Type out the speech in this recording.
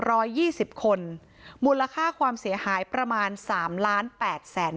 ยี่สิบคนมูลค่าความเสียหายประมาณสามล้านแปดแสน